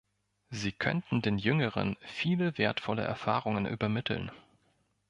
Sie könnten den Jüngeren viele wertvolle Erfahrungen übermitteln.